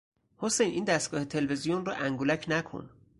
حسین این دستگاه تلویزیون را انگولک نکن!